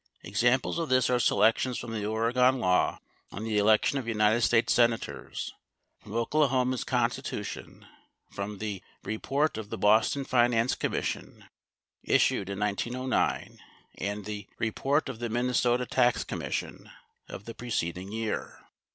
Examples of this are selections from the Oregon law on the election of United States Senators, from Oklahoma's Constitution, from the "Report of the Boston Finance Commission," issued in 1909, and the "Report of the Minnesota Tax Commission" of the preceding year.